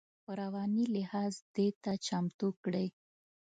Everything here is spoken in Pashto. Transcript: په رواني لحاظ دې ته چمتو کړي.